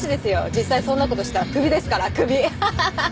実際そんなことしたらクビですからクビははははっ